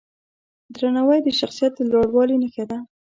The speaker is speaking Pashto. درناوی د شخصیت د لوړوالي نښه ده.